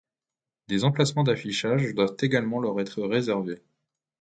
Des emplacements d’affichage doivent également leur être réservés.